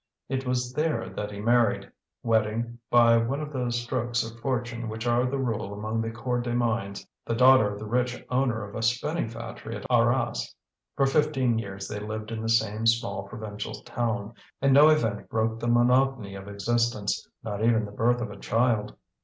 It was there that he married, wedding, by one of those strokes of fortune which are the rule among the Corps des Mines, the daughter of the rich owner of a spinning factory at Arras. For fifteen years they lived in the same small provincial town, and no event broke the monotony of existence, not even the birth of a child.